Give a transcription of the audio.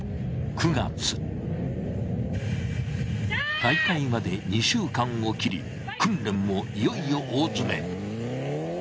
大会まで２週間を切り訓練もいよいよ大詰め。